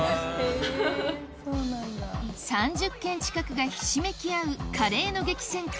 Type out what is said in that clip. ３０軒近くがひしめき合うカレーの激戦区